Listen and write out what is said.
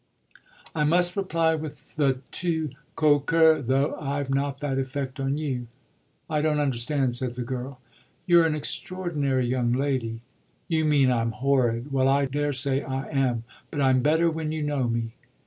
"I must reply with the tu quoque, though I've not that effect on you." "I don't understand," said the girl. "You're an extraordinary young lady." "You mean I'm horrid. Well, I daresay I am. But I'm better when you know me."